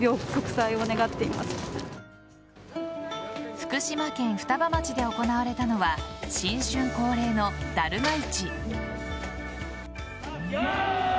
福島県双葉町で行われたのは新春恒例のダルマ市。